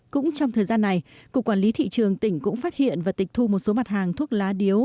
cũng trong thời gian này cục quản lý thị trường tỉnh cũng phát hiện và tịch thu một số mặt hàng thuốc lá điếu